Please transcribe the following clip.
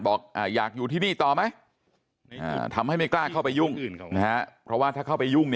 บอกอยากอยู่ที่นี่ต่อไหมทำให้ไม่กล้าเข้าไปยุ่งเพราะว่าถ้าเข้าไปยุ่ง